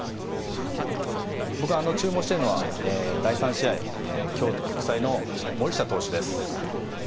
僕が注目しているのは第３試合京都国際の森下投手です。